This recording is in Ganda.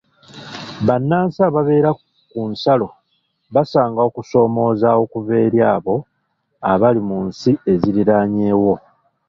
Bannansi ababeera ku nsalo basanga okusoomooza okuva eri abo abali mu nsi eziriraanyewo.